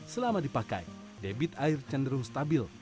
selama dipakai debit air cenderung stabil